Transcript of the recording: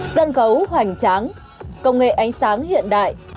sân khấu hoành tráng công nghệ ánh sáng hiện đại